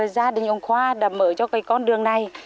gia đình ông khoa đã mở cho cái con đường này